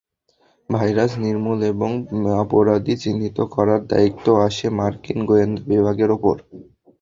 Virus নির্মূল এবং অপরাধী চিহ্নিত করার দায়িত্ব আসে মার্কিন গোয়েন্দা বিভাগের ওপর।